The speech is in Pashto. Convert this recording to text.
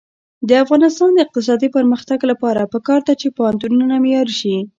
د افغانستان د اقتصادي پرمختګ لپاره پکار ده چې پوهنتونونه معیاري شي.